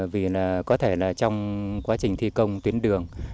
vì có thể là trong quá trình thi công tuyến đường